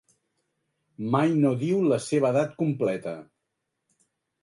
Mai no diu la seva edat completa.